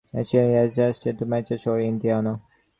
Michiana is adjacent to Michiana Shores, Indiana.